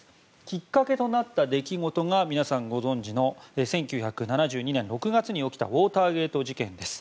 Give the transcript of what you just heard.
きっかけとなった出来事が皆さんご存じの１９７２年６月に起きたウォーターゲート事件です。